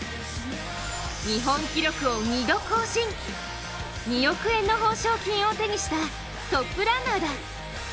日本記録を２度更新、２億円の褒賞金を手にしたトップランナーだ。